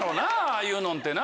あいうのんてな。